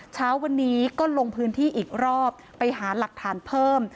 เช้าวันนี้ก็ลงพื้นที่อีกรอบไปหาหลักฐานเพิ่ม